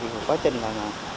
quá trình là